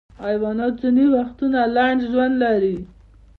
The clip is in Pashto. حیوانات ځینې وختونه لنډ ژوند لري.